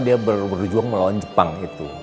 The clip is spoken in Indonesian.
dia berjuang melauan jepang